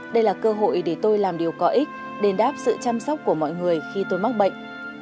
đây là cơ hội để tôi làm điều có ích đền đáp sự chăm sóc của mọi người khi tôi mắc bệnh